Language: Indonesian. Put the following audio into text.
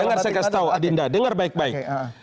dengar saya kasih tahu adinda dengar baik baik